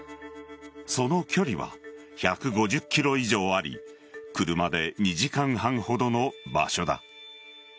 その距離は１５０ｋｍ以上あり車で２時間半ほどの場所だ。